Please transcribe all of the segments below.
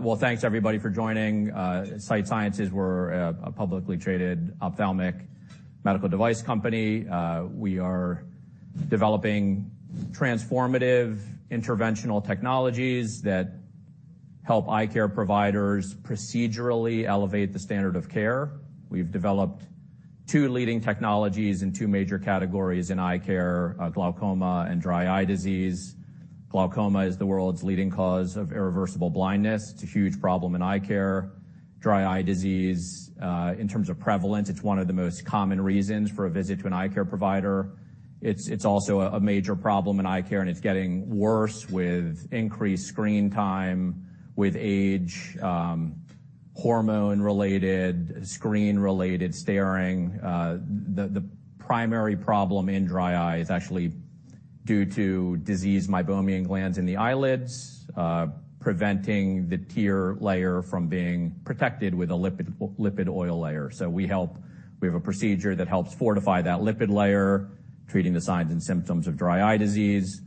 Well, thanks everybody for joining. Sight Sciences, we're a publicly traded ophthalmic medical device company. We are developing transformative interventional technologies that help eye care providers procedurally elevate the standard of care. We've developed two leading technologies in two major categories in eye care: glaucoma and dry eye disease. Glaucoma is the world's leading cause of irreversible blindness. It's a huge problem in eye care. Dry eye disease, in terms of prevalence, it's one of the most common reasons for a visit to an eye care provider. It's also a major problem in eye care, and it's getting worse with increased screen time, with age, hormone-related, screen-related staring. The primary problem in dry eye is actually due to diseased Meibomian glands in the eyelids, preventing the tear layer from being protected with a lipid oil layer. So we have a procedure that helps fortify that lipid layer, treating the signs and symptoms of dry eye disease.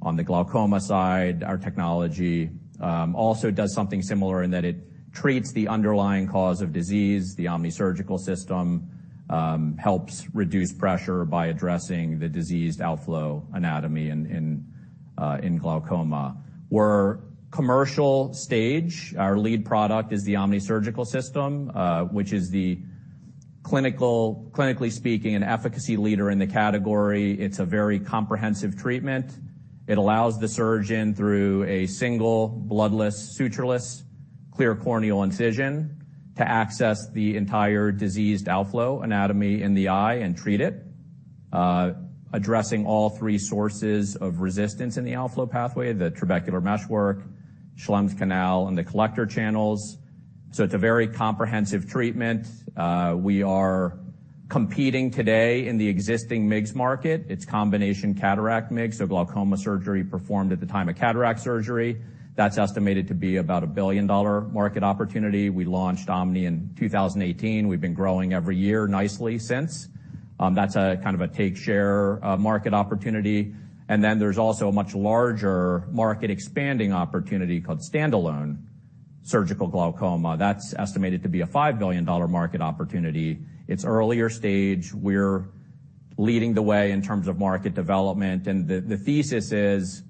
On the glaucoma side, our technology also does something similar in that it treats the underlying cause of disease, the OMNI Surgical System, helps reduce pressure by addressing the diseased outflow anatomy in glaucoma. We're commercial stage. Our lead product is the OMNI Surgical System, which is clinically speaking an efficacy leader in the category. It's a very comprehensive treatment. It allows the surgeon, through a single, bloodless, sutureless, clear corneal incision, to access the entire diseased outflow anatomy in the eye and treat it, addressing all three sources of resistance in the outflow pathway: the trabecular meshwork, Schlemm's canal, and the collector channels. So it's a very comprehensive treatment. We are competing today in the existing MIGS market. It's combination cataract MIGS, so glaucoma surgery performed at the time of cataract surgery. That's estimated to be about a billion-dollar market opportunity. We launched Omni in 2018. We've been growing every year nicely since. That's kind of a take-share market opportunity. And then there's also a much larger market expanding opportunity called standalone surgical glaucoma. That's estimated to be a $5 billion market opportunity. It's earlier stage. We're leading the way in terms of market development. And the thesis is,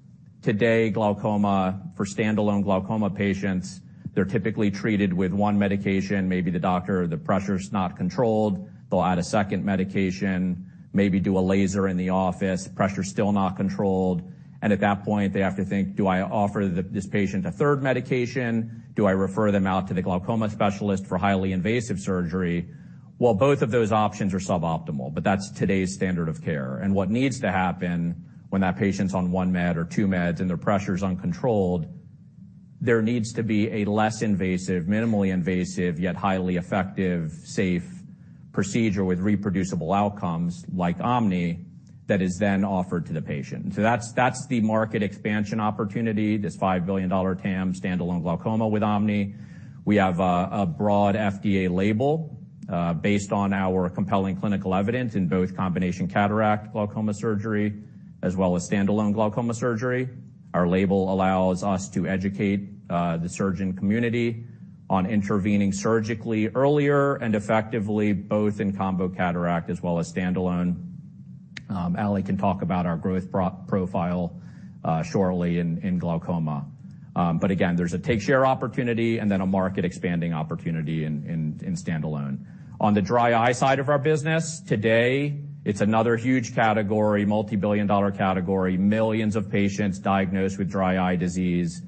today, glaucoma for standalone glaucoma patients, they're typically treated with one medication. Maybe the doctor, the pressure's not controlled. They'll add a second medication, maybe do a laser in the office. Pressure's still not controlled. And at that point, they have to think, do I offer this patient a third medication? Do I refer them out to the glaucoma specialist for highly invasive surgery? Well, both of those options are suboptimal, but that's today's standard of care. And what needs to happen when that patient's on one med or two meds and their pressure's uncontrolled, there needs to be a less invasive, minimally invasive, yet highly effective, safe procedure with reproducible outcomes like Omni that is then offered to the patient. So that's the market expansion opportunity, this $5 billion TAM standalone glaucoma with Omni. We have a broad FDA label based on our compelling clinical evidence in both combination cataract glaucoma surgery as well as standalone glaucoma surgery. Our label allows us to educate the surgeon community on intervening surgically earlier and effectively both in combo cataract as well as standalone. Ali can talk about our growth profile shortly in glaucoma. But again, there's a take-share opportunity and then a market expanding opportunity in standalone. On the dry eye side of our business, today, it's another huge category, multibillion-dollar category, millions of patients diagnosed with dry eye disease.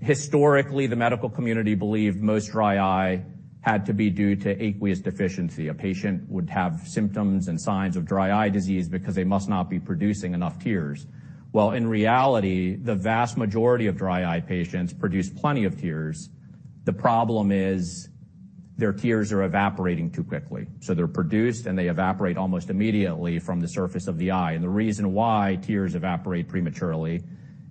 Historically, the medical community believed most dry eye had to be due to aqueous deficiency. A patient would have symptoms and signs of dry eye disease because they must not be producing enough tears. Well, in reality, the vast majority of dry eye patients produce plenty of tears. The problem is their tears are evaporating too quickly. So they're produced, and they evaporate almost immediately from the surface of the eye. And the reason why tears evaporate prematurely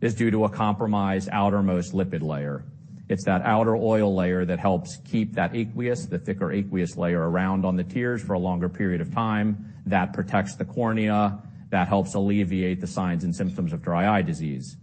is due to a compromised outermost lipid layer. It's that outer oil layer that helps keep that aqueous, the thicker aqueous layer around on the tears for a longer period of time. That protects the cornea. That helps alleviate the signs and symptoms of dry eye disease.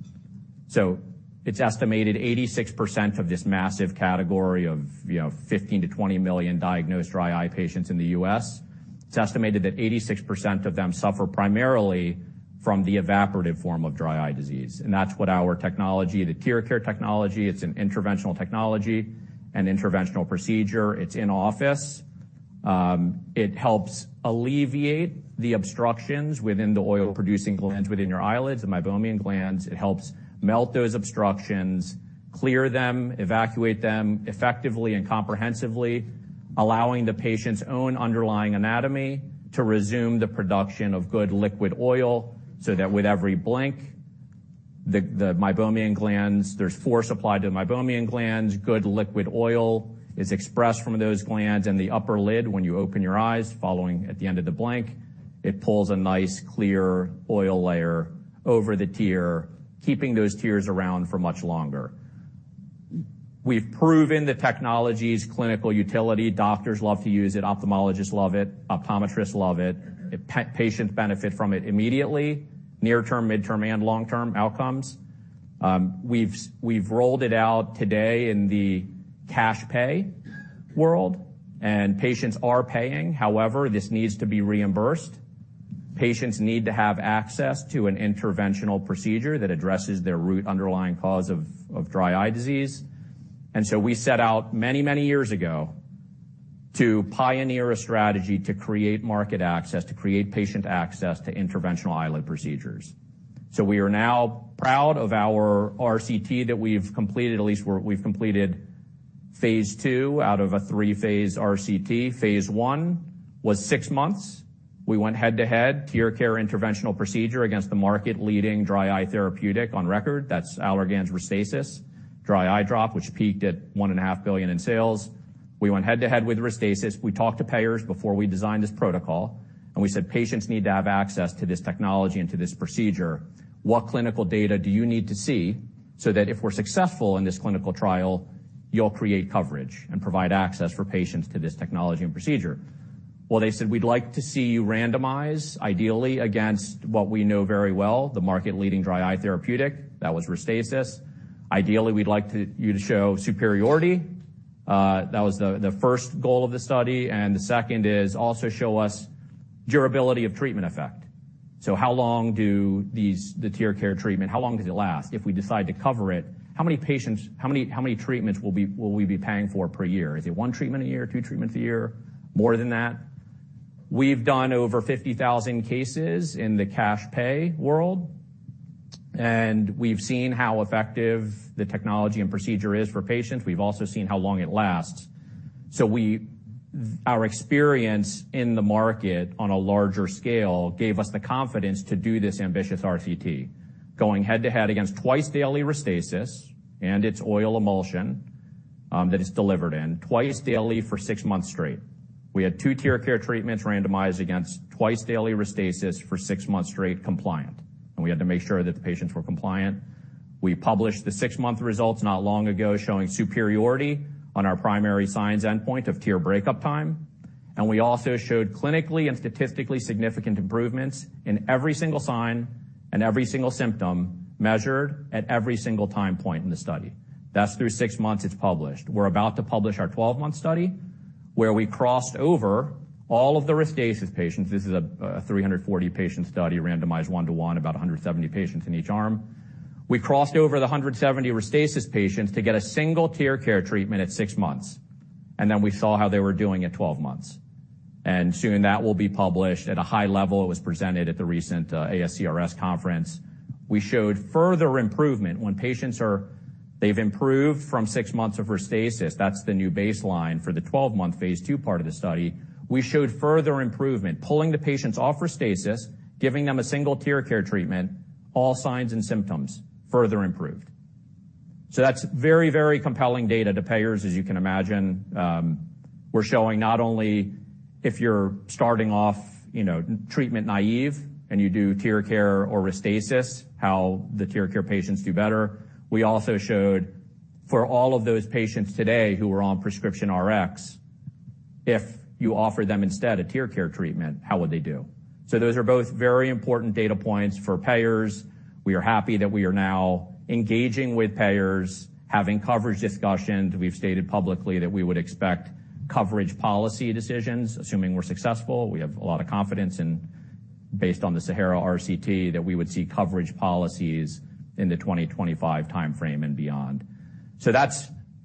So it's estimated 86% of this massive category of 15-20 million diagnosed dry eye patients in the US. It's estimated that 86% of them suffer primarily from the evaporative form of dry eye disease. And that's what our technology, the tear care technology, it's an interventional technology, an interventional procedure. It's in office. It helps alleviate the obstructions within the oil-producing glands within your eyelids, the Meibomian glands. It helps melt those obstructions, clear them, evacuate them effectively and comprehensively, allowing the patient's own underlying anatomy to resume the production of good liquid oil so that with every blink the Meibomian glands, there's force applied to the Meibomian glands. Good liquid oil is expressed from those glands. The upper lid, when you open your eyes following at the end of the blink, it pulls a nice, clear oil layer over the tear, keeping those tears around for much longer. We've proven the technology's clinical utility. Doctors love to use it. Ophthalmologists love it. Optometrists love it. Patients benefit from it immediately, near-term, mid-term, and long-term outcomes. We've rolled it out today in the cash pay world, and patients are paying. However, this needs to be reimbursed. Patients need to have access to an interventional procedure that addresses their root underlying cause of dry eye disease. And so we set out many, many years ago to pioneer a strategy to create market access, to create patient access to interventional eyelid procedures. We are now proud of our RCT that we've completed. At least we've completed phase two out of a three-phase RCT. Phase one was six months. We went head-to-head, TearCare interventional procedure against the market-leading dry eye therapeutic on record. That's Allergan's Restasis, dry eye drop, which peaked at $1.5 billion in sales. We went head-to-head with Restasis. We talked to payers before we designed this protocol, and we said, "Patients need to have access to this technology and to this procedure. What clinical data do you need to see so that if we're successful in this clinical trial, you'll create coverage and provide access for patients to this technology and procedure?" Well, they said, "We'd like to see you randomize, ideally, against what we know very well, the market-leading dry eye therapeutic." That was Restasis. "Ideally, we'd like you to show superiority." That was the first goal of the study. And the second is also show us durability of treatment effect. So, how long does the TearCare treatment last? If we decide to cover it, how many patients, how many treatments will we be paying for per year? Is it one treatment a year, two treatments a year, more than that? We've done over 50,000 cases in the cash pay world, and we've seen how effective the technology and procedure is for patients. We've also seen how long it lasts. So our experience in the market on a larger scale gave us the confidence to do this ambitious RCT, going head-to-head against twice daily Restasis and its oil emulsion that it's delivered in, twice daily for six months straight. We had two TearCare treatments randomized against twice daily Restasis for six months straight, compliant. And we had to make sure that the patients were compliant. We published the six-month results not long ago showing superiority on our primary signs endpoint of tear breakup time. We also showed clinically and statistically significant improvements in every single sign and every single symptom measured at every single time point in the study. That's through six months; it's published. We're about to publish our 12-month study where we crossed over all of the Restasis patients. This is a 340-patient study, randomized one-to-one, about 170 patients in each arm. We crossed over the 170 Restasis patients to get a single TearCare treatment at six months. Then we saw how they were doing at 12 months. Soon that will be published. At a high level, it was presented at the recent ASCRS conference. We showed further improvement when patients, they've improved from six months of Restasis. That's the new baseline for the 12-month phase two part of the study. We showed further improvement, pulling the patients off Restasis, giving them a single TearCare treatment, all signs and symptoms further improved. So that's very, very compelling data to payers. As you can imagine, we're showing not only if you're starting off treatment naive and you do TearCare or Restasis, how the TearCare patients do better. We also showed for all of those patients today who were on prescription Rx, if you offer them instead a TearCare treatment, how would they do? So those are both very important data points for payers. We are happy that we are now engaging with payers, having coverage discussions. We've stated publicly that we would expect coverage policy decisions, assuming we're successful. We have a lot of confidence in, based on the SAHARA RCT, that we would see coverage policies in the 2025 time frame and beyond. So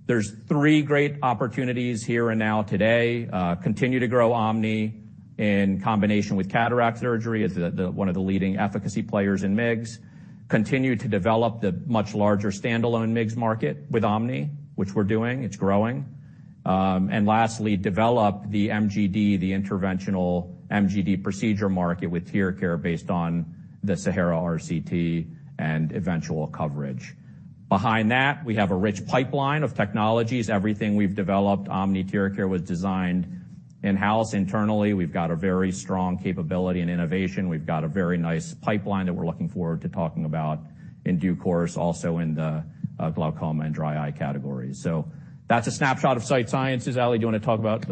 there's three great opportunities here and now today: continue to grow Omni in combination with cataract surgery as one of the leading efficacy players in MIGS. Continue to develop the much larger standalone MIGS market with Omni, which we're doing. It's growing. And lastly, develop the MGD, the interventional MGD procedure market with TearCare based on the SAHARA RCT and eventual coverage. Behind that, we have a rich pipeline of technologies. Everything we've developed, Omni, TearCare, was designed in-house internally. We've got a very strong capability and innovation. We've got a very nice pipeline that we're looking forward to talking about in due course also in the glaucoma and dry eye categories. So that's a snapshot of Sight Sciences. Ali, do you want to talk about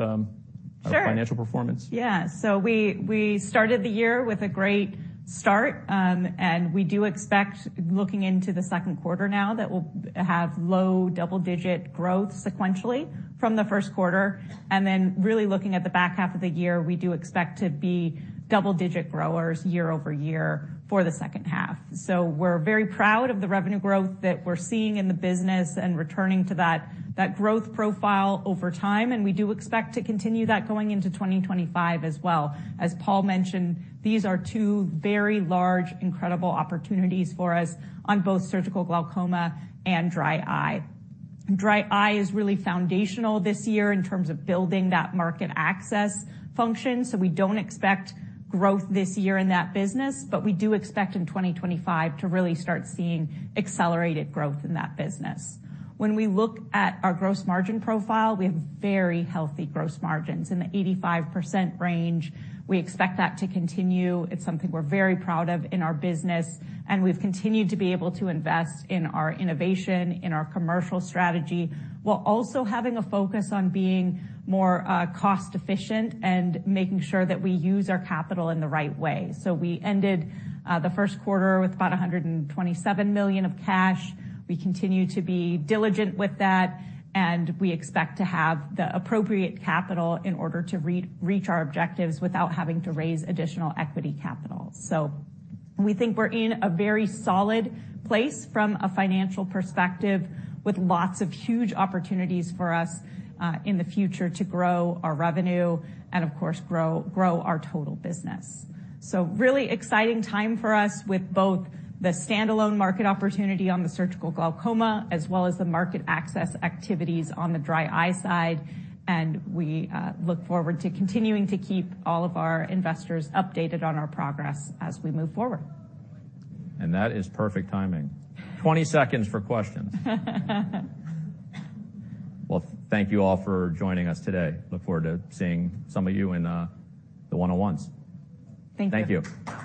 financial performance? Sure. Yeah. So we started the year with a great start, and we do expect, looking into the second quarter now, that we'll have low double-digit growth sequentially from the first quarter. And then really looking at the back half of the year, we do expect to be double-digit growers year-over-year for the second half. So we're very proud of the revenue growth that we're seeing in the business and returning to that growth profile over time. And we do expect to continue that going into 2025 as well. As Paul mentioned, these are two very large, incredible opportunities for us on both surgical glaucoma and dry eye. Dry eye is really foundational this year in terms of building that market access function. So we don't expect growth this year in that business, but we do expect in 2025 to really start seeing accelerated growth in that business. When we look at our gross margin profile, we have very healthy gross margins in the 85% range. We expect that to continue. It's something we're very proud of in our business, and we've continued to be able to invest in our innovation, in our commercial strategy while also having a focus on being more cost-efficient and making sure that we use our capital in the right way. So we ended the first quarter with about $127 million of cash. We continue to be diligent with that, and we expect to have the appropriate capital in order to reach our objectives without having to raise additional equity capital. So we think we're in a very solid place from a financial perspective with lots of huge opportunities for us in the future to grow our revenue and, of course, grow our total business. So really exciting time for us with both the standalone market opportunity on the surgical glaucoma as well as the market access activities on the dry eye side. And we look forward to continuing to keep all of our investors updated on our progress as we move forward. And that is perfect timing. 20 seconds for questions. Well, thank you all for joining us today. Look forward to seeing some of you in the one-on-ones. Thank you. Thank you.